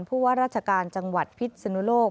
ผู้ว่าราชการจังหวัดพิษนุโลก